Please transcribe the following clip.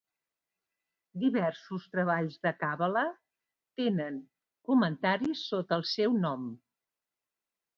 Diversos treballs de Càbala tenen comentaris sota el seu nom.